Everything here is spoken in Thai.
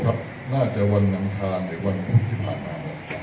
ครับคิดวันน้ำทางหรือวันภุติผ่านมา